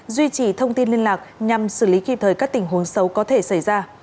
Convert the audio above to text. duy trì thông tin liên lạc nhằm xử lý kịp thời các tình huống xấu có thể xảy ra